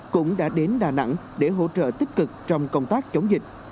cũng đã đến đà nẵng để hỗ trợ tích cực trong công tác chống dịch